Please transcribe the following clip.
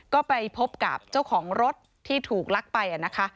ก็ไปพบกับเจ้าของรถที่ถูกลักไปนะคะ